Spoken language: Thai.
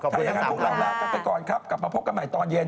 ถ้าอย่างนั้นพวกเราลากันไปก่อนครับกลับมาพบกันใหม่ตอนเย็น